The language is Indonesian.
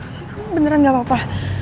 pesan kamu beneran gak apa apa